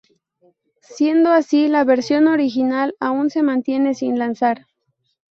Siendo así, la versión original aún se mantiene sin lanzar.